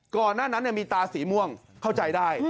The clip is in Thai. ก่อนหน้านั้นมีตาสีม่วงเข้าใจได้